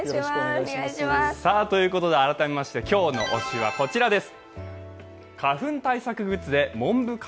改めまして今日の推しはこちらです。